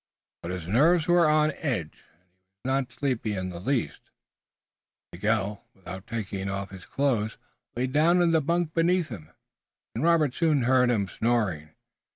But his nerves were on edge, and he was not sleepy in the least. Miguel, without taking off his clothes, lay down in the bunk beneath him, and Robert soon heard him snoring.